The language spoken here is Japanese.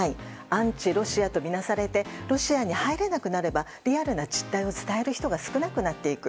アンチロシアとみなされてロシアに入れなくなればリアルな実態を伝える人が少なくなっていく。